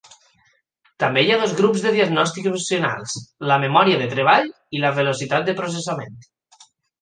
També hi ha dos grups de diagnòstic opcionals: la memòria de treball i la velocitat de processament.